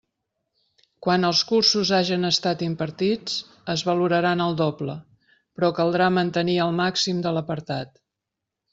Quan els cursos hagen estat impartits, es valoraran el doble, però caldrà mantenir el màxim de l'apartat.